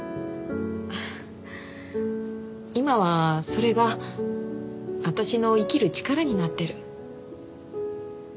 今はそれが私の生きる力になってる。